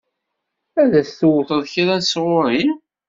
Ad as-tewteḍ kra sɣur-i?